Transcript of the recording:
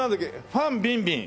ファン・ビンビン？